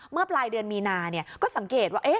เมื่อปลายเดือนมีนาก็สังเกตว่า